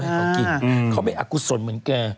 ฮือเขาไม่อากุศลเหมือนแก